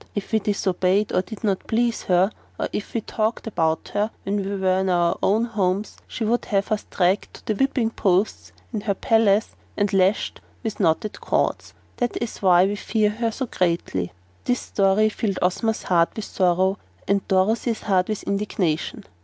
If we disobeyed, or did not please her, or if we talked about her when we were in our own homes she would have us dragged to the whipping post in her palace and lashed with knotted cords. That is why we fear her so greatly." This story filled Ozma's heart with sorrow and Dorothy's heart with indignation.